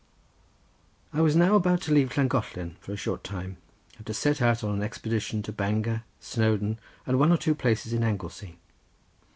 I was now about to leave Llangollen, for a short time, and to set out on an expedition to Bangor, Snowdon, and one or two places in Anglesea.